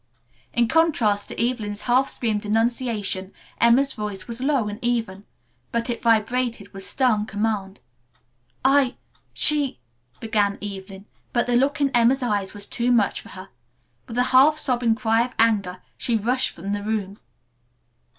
In contrast to Evelyn's half screamed denunciation Emma's voice was low and even, but it vibrated with stern command. "I she " began Evelyn, but the look in Emma's eyes was too much for her. With a half sobbing cry of anger she rushed from the room.